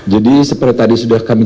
jadi seperti tadi sudah kami